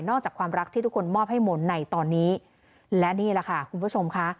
จากความรักที่ทุกคนมอบให้มนต์ในตอนนี้และนี่แหละค่ะคุณผู้ชมค่ะ